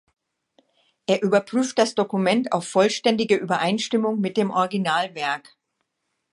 Er überprüft das Dokument auf vollständige Übereinstimmung mit dem Originalwerk.